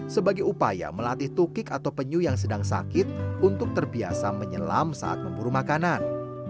sebagai upaya melatih tukik atau penyu yang sedang sakit untuk terbiasa menyelam saat memburu makanan